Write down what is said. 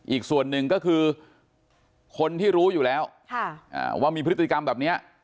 อีกส่วนหนึ่งก็คือคนที่รู้อยู่แล้วว่ามีพฤติกรรมแบบนี้